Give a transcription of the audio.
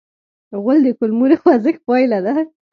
غول د کولمو د خوځښت پایله ده.